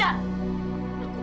aku bakal membunuh dia